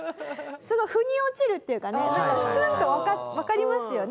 腑に落ちるっていうかねスンッとわかりますよね